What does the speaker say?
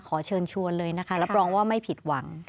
ขอเชิญชวนเลยนะคะรับรองว่าไม่ผิดหวัง